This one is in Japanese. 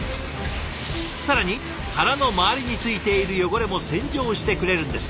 更に殻の周りについている汚れも洗浄してくれるんです。